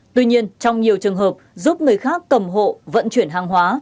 tuy nhiên trong nhiều trường hợp giúp người khác cầm hộ vận chuyển hàng hóa